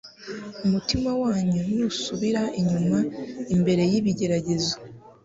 Umutima wanyu nusubira inyuma imbere y'ibigeragezo,